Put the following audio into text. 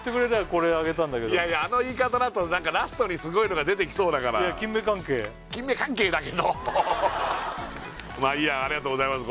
これあげたんだけどいやいやあの言い方だとラストにすごいのが出てきそうだからまあいいやありがとうございます